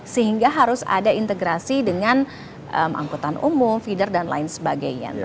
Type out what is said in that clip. sehingga harus ada integrasi dengan angkutan umum feeder dan lain sebagainya